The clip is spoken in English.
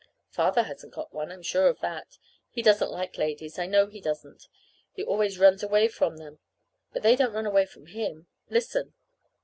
Father hasn't got one. I'm sure of that. He doesn't like ladies. I know he doesn't. He always runs away from them. But they don't run away from him! Listen.